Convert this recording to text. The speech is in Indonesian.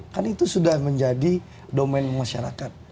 kan itu sudah menjadi domen masyarakat